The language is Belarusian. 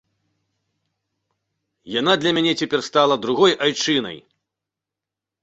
Яна для мяне цяпер стала другой айчынай.